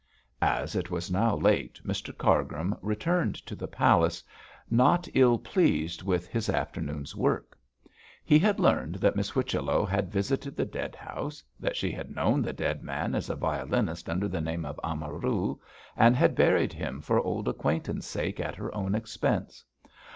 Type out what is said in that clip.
As it was now late, Mr Cargrim returned to the palace, not ill pleased with his afternoon's work. He had learned that Miss Whichello had visited the dead house, that she had known the dead man as a violinist under the name of Amaru, and had buried him for old acquaintance sake at her own expense.